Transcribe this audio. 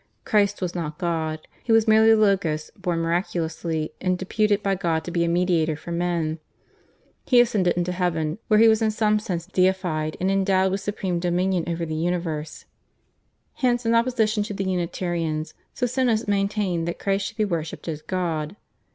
Christ was not God; He was merely the Logos born miraculously and deputed by God to be a mediator for men. He ascended into Heaven, where He was in some sense deified and endowed with supreme dominion over the universe. Hence in opposition to the Unitarians Socinus maintained that Christ should be worshipped as God.